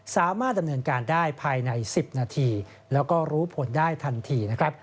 สามารถดำเนินการได้ภายใน๑๐นาทีแล้วก็รู้ผลได้ทันทีนะครับ